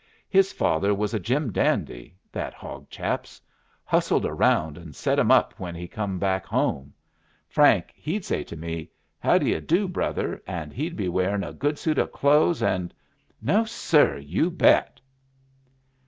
His father was a Jim dandy, that hog chap's. Hustled around and set 'em up when he come back home. Frank, he'd say to me 'How do you do, brother?' and he'd be wearin' a good suit o' clothes and no, sir, you bet!"